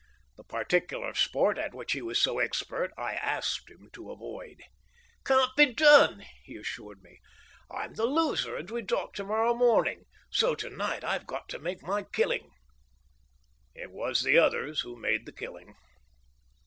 The particular sport at which he was so expert I asked him to avoid. "Can't be done!" he assured me. "I'm the loser, and we dock to morrow morning. So to night I've got to make my killing." It was the others who made the killing.